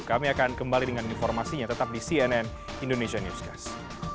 kami akan kembali dengan informasinya tetap di cnn indonesia newscast